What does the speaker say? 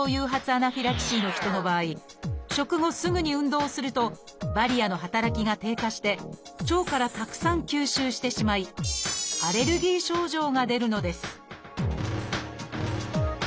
アナフィラキシーの人の場合食後すぐに運動するとバリアの働きが低下して腸からたくさん吸収してしまいアレルギー症状が出るのです